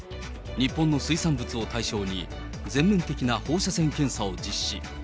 日本の水産物を対象に、全面的な放射線検査を実施。